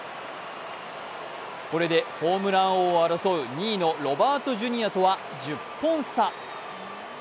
これでホームラン王を争う２位のロバート・ジュニアとは１０本差。